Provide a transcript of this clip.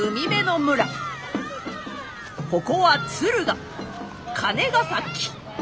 ここは敦賀・金ヶ崎。